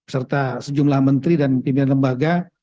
serta sejumlah menteri dan pimpinan lembaga